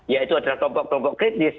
yaitu adalah tombol tombol kritis